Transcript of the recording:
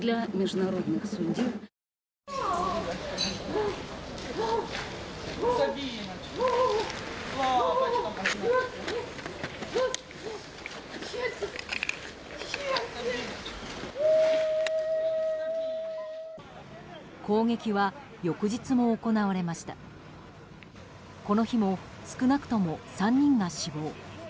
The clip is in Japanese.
この日も少なくとも３人が死亡。